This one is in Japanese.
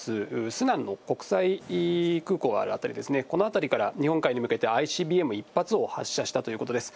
スナンの国際空港がある辺りですね、この辺りから日本海に向けてＩＣＢＭ１発を発射したということです。